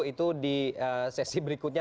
itu di sesi berikutnya